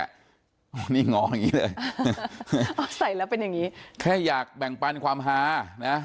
เอ้อนี่หงออย่างนี้เลยแต่อยากแบ่งปั่นความหานะ